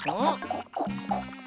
ここ。